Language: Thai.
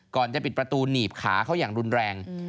ก่อนจะปิดประตูหนีบขาเขาอย่างรุนแรง